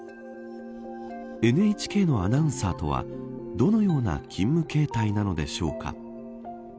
ＮＨＫのアナウンサーとはどのような勤務形態なのでしょうか。